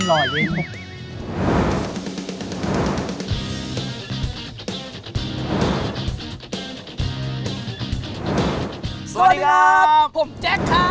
สวัสดีครับผมแจ๊คครับ